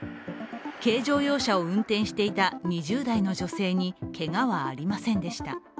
軽乗用車を運転していた２０代の女性にけがはありませんでした。